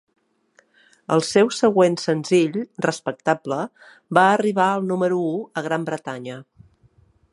El seu següent senzill, "Respectable", va arribar al número u a Gran Bretanya.